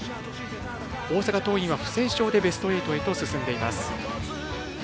大阪桐蔭は不戦勝でベスト８へと進んでいます。